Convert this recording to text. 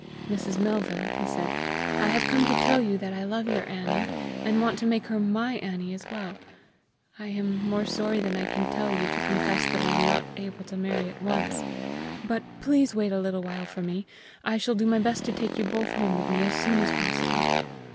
"Mrs. Melville," he said, "I have come to tell you that I love your Annie, and want to make her my Annie as well. I am more sorry than I can tell you to confess that I am not able to marry at once, but please wait a little while for me. I shall do my best to take you both home with me as soon as possible."